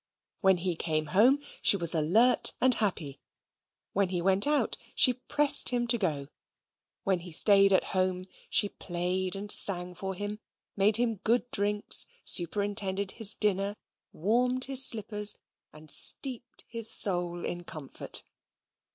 When he came home she was alert and happy: when he went out she pressed him to go: when he stayed at home, she played and sang for him, made him good drinks, superintended his dinner, warmed his slippers, and steeped his soul in comfort.